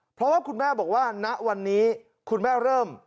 เพราะว่าคุณแม่บอกว่าณวันนี้คุณแม่เริ่ม